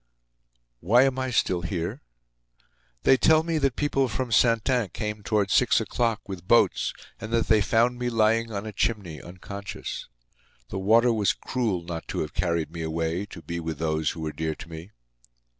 Why am I still here? They tell me that people from Saintin came toward six o'clock, with boats, and that they found me lying on a chimney, unconscious. The water was cruel not to have carried me away to be with those who were dear to me.